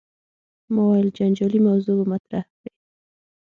ما ویل جنجالي موضوع به مطرح کړې.